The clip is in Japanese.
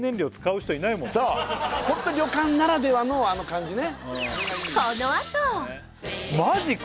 ホント旅館ならではのあの感じね